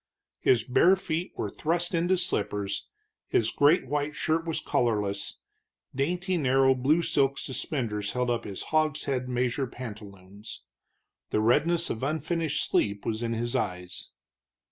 His bare feet were thrust into slippers, his great white shirt was collarless, dainty narrow blue silk suspenders held up his hogshead measure pantaloons. The redness of unfinished sleep was in his eyes.